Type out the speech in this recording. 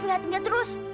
ngejatin dia terus